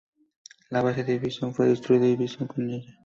La base de Bison fue destruida, y Bison con ella.